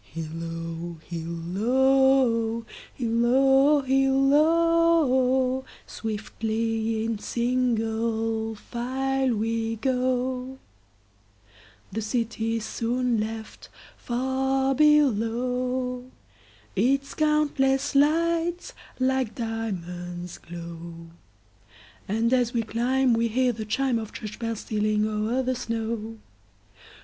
Hilloo, hilloo, hilloo, hilloo! Swiftly in single file we go, The city is soon left far below, Its countless lights like diamonds glow; And as we climb we hear the chimeOf church bells stealing o'er the snow.